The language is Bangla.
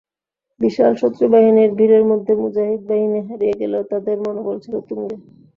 বিশাল শত্রুবাহিনীর ভীড়ের মধ্যে মুজাহিদ বাহিনী হারিয়ে গেলেও তাদের মনোবল ছিল তুঙ্গে।